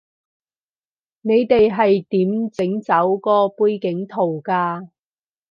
你哋係點整走個背景圖㗎